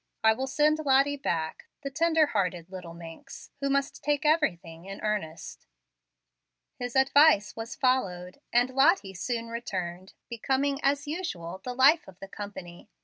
I will send Lottie back, the tender hearted little minx, who must take everything in earnest." His advice was followed, and Lottie soon returned, becoming, as usual, the life of the company.